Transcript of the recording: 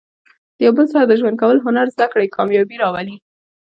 د یو بل سره د ژوند کولو هنر زده کول، کامیابي راولي.